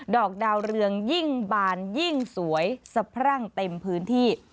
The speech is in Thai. อกดาวเรืองยิ่งบานยิ่งสวยสะพรั่งเต็มพื้นที่